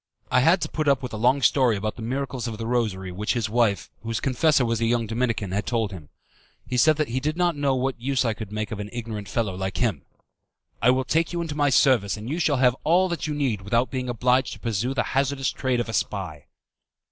I had to put up with a long story about the miracles of the Rosary which his wife, whose confessor was a young Dominican, had told him. He said that he did not know what use I could make of an ignorant fellow like him. "I will take you into my service, and you shall have all that you need without being obliged to pursue the hazardous trade of a spy."